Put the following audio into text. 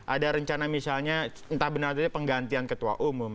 ada rencana misalnya entah benar atau tidak penggantian ketua umum